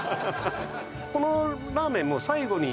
このラーメンの最後に